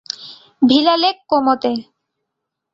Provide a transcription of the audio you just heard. Villa lake কোমোতে।